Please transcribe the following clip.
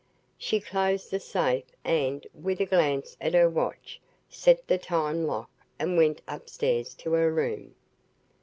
She closed the safe and, with a glance at her watch, set the time lock and went upstairs to her room.